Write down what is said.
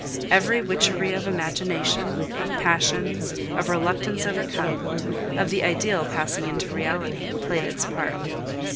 Every witchery of imagination, of passion, of reluctance overcome, of the ideal passing into reality, played its part.